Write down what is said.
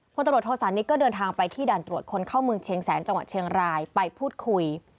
ตำรวจโทษานิทก็เดินทางไปที่ด่านตรวจคนเข้าเมืองเชียงแสนจังหวัดเชียงรายไปพูดคุย